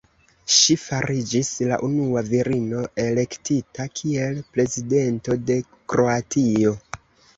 Ŝi fariĝis la unua virino elektita kiel prezidento de Kroatio.